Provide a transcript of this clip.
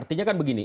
artinya kan begini